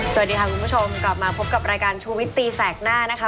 สวัสดีค่ะคุณผู้ชมกลับมาพบกับรายการชูวิตตีแสกหน้านะคะ